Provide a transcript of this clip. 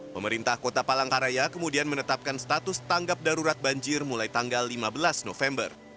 pemerintah kota palangkaraya kemudian menetapkan status tanggap darurat banjir mulai tanggal lima belas november